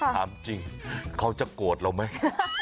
ถามจริงเขาจะโกรธเราไหม